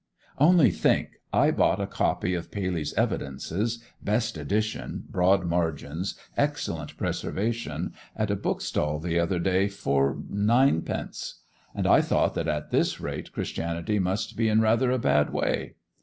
Only think, I bought a copy of Paley's Evidences, best edition, broad margins, excellent preservation, at a bookstall the other day for—ninepence; and I thought that at this rate Christianity must be in rather a bad way.